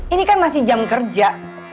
ini kan masih jam kerja